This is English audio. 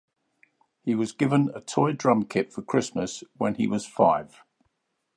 He was given a toy drum kit for Christmas when he was five.